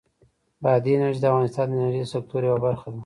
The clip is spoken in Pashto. بادي انرژي د افغانستان د انرژۍ د سکتور یوه برخه ده.